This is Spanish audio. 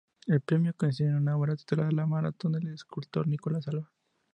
El premio consiste en una obra titulada "La maratón", del escultor Nicolás Alba.